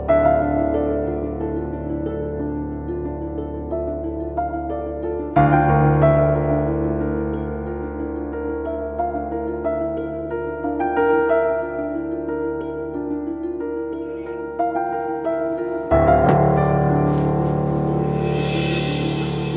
aku juga sedang jelasin